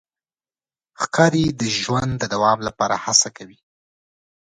ښکاري د ژوند د دوام لپاره هڅه کوي.